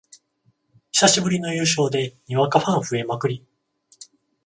久しぶりの優勝でにわかファン増えまくり